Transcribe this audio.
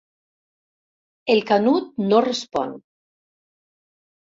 El Canut no respon.